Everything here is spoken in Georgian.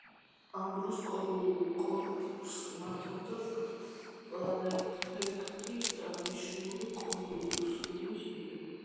ამ დროს კორფუს მართავდა პრეფექტი დანიშნული კონსულის მიერ.